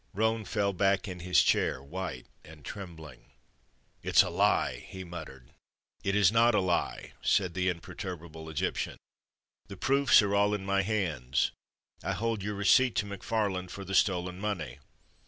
Roane fell back in his chair, white and trembling. "It's a lie!" he muttered. "It is not a lie," said the imperturbable Egyptian. "The proofs are all in my hands. I hold your receipt to McFarland for the stolen money."